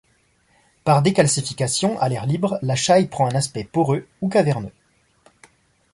Par décalcification, à l'air libre, la chaille prend un aspect poreux ou caverneux.